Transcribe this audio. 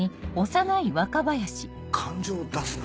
感情を出すな？